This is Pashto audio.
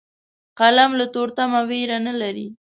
قلم له تورتمه ویره نه لري